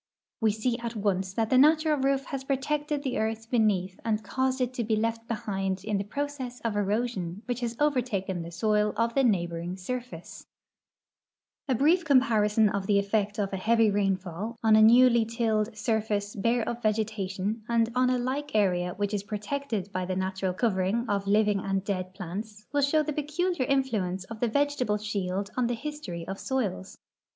A\'e sec at once that the natural roof has protected the earth beneath and caused it to he left behind in the process of erosion which has overtaken the soil of the neighlxjring surface. 338 THE ECONOMIC ASPECTS OF SOIL EROSION A brief comparison of the effect of a heavy rainfall on a newly tilled surface hare of vegetation and on a like area which is protected hy the natural covering of living and dead plants will show tlie peculiar influence of the vegetable shield on the history of soils.